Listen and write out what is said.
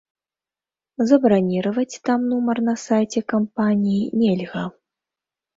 Забраніраваць там нумар на сайце кампаніі нельга.